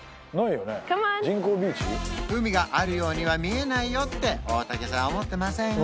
海があるようには見えないよって大竹さん思ってません？